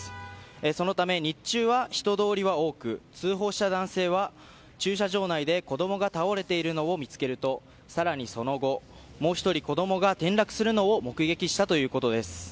そのため日中は人通りは多く通報した男性は、駐車場内で子供が倒れているのを見つけると更にその後もう１人、子供が転落するのを目撃したということです。